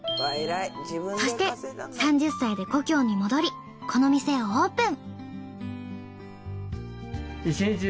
そして３０歳で故郷に戻りこの店をオープン。